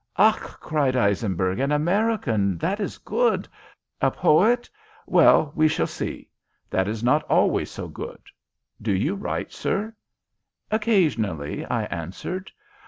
"Ach!" cried Eisenberg. "An American that is good. A poet? Well we shall see. That is not always so good. Do you write, sir?" "Occasionally," I answered.